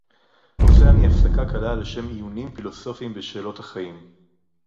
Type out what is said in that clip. עושה אני הפסקה קלה לשם עיונים פילוסופיים בשאלות החיים